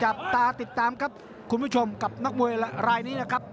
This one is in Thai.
จับตาติดตามครับคุณผู้ชมกับนักมวยรายนี้นะครับ